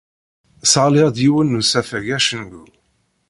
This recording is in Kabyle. Sseɣliɣ-d yiwen n usafag acengu.